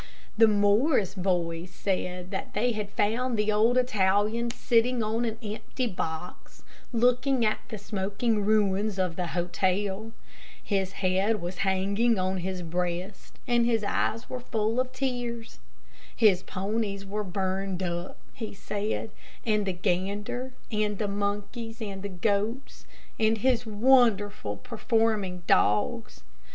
The Morris boys said that they found the old Italian sitting on an empty box, looking at the smoking ruins of the hotel. His head was hanging on his breast, and his eyes were full of tears. His ponies were burned up, he said, and the gander, and the monkeys, and the goats, and his wonderful performing dogs.